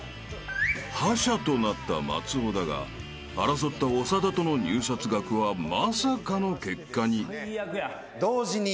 ［覇者となった松尾だが争った長田との入札額はまさかの結果に］